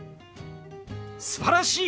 すばらしい！